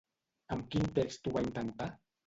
Amb quin text ho va intentar?